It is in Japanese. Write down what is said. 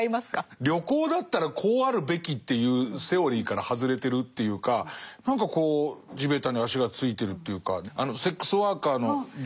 旅行だったらこうあるべきっていうセオリーから外れてるっていうか何かこう地べたに足がついてるというかあのセックスワーカーの女性とね。